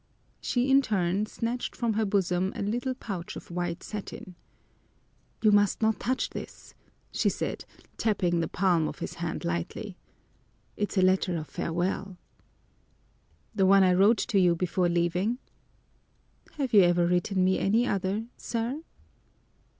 She in turn snatched from her bosom a little pouch of white satin. "You must not touch this," she said, tapping the palm of his hand lightly. "It's a letter of farewell." "The one I wrote to you before leaving?" "Have you ever written me any other, sir?"